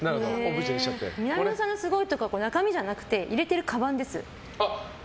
南野さんのすごいところは中身じゃなくて入れてるかばんです。